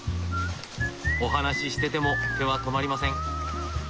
お話ししてても手は止まりません。